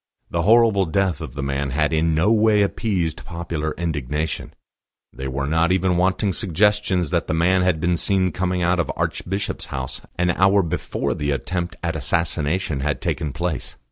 The horrible death of the man had in no way appeased popular indignation; there were not even wanting suggestions that the man had been seen coming out of Archbishop's House an hour before the attempt at assassination had taken place.